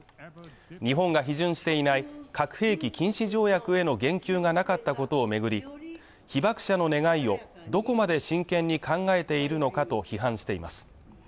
日本が批准していない核兵器禁止条約への言及がなかったことを巡り被爆者の願いをどこまで真剣に考えているのかと批判しています